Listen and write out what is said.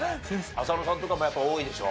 浅野さんとかもやっぱり多いでしょ？